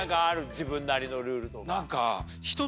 自分なりのルールとか。